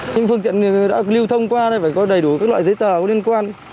những phương tiện đã lưu thông qua phải có đầy đủ các loại giấy tờ có liên quan